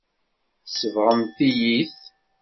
Tsebɣemt-iyi-t.